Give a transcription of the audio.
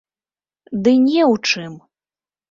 Ды не ў чым!